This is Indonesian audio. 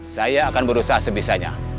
saya akan berusaha sebisanya